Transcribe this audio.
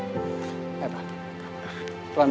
damai pelan pelan pap